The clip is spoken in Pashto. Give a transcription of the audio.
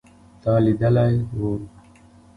تا لیدلی و